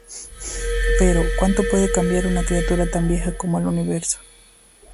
Pero ¿cuánto puede cambiar una criatura tan vieja como el universo?